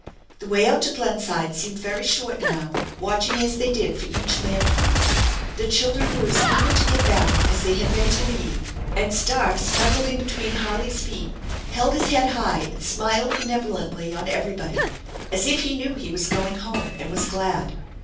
The way out to Glenside seemed very short now, watching as they did for each landmark. The children were as eager to get back as they had been to leave, and Star snuggled in between Harley's feet, held his head high, and smiled benev olently on everybody, as if he knew he was going home and was glad.